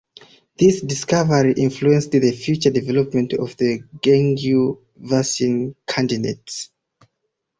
This discovery influenced the future development of the dengue vaccine candidates.